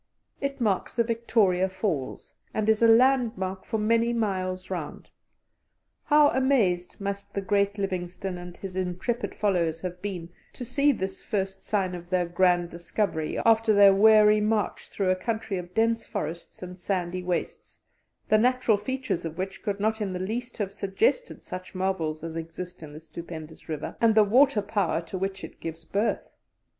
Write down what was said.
It marks the Victoria Falls, and is a landmark for many miles round. How amazed must the great Livingstone and his intrepid followers have been to see this first sign of their grand discovery after their weary march through a country of dense forests and sandy wastes, the natural features of which could not in the least have suggested such marvels as exist in the stupendous river and the water power to which it gives birth!